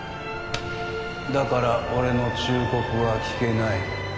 だから俺の忠告は聞けない